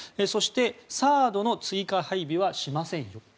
そしてＴＨＡＡＤの追加配備はしませんよ。